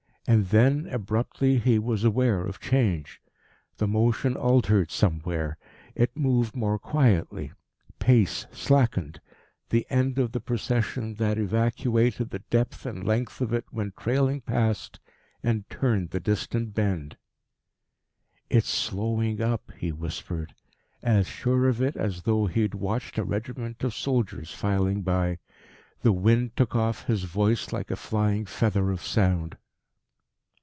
And then, abruptly, he was aware of change. The motion altered somewhere. It moved more quietly; pace slackened; the end of the procession that evacuated the depth and length of it went trailing past and turned the distant bend. "It's slowing up," he whispered, as sure of it as though he had watched a regiment of soldiers filing by. The wind took off his voice like a flying feather of sound.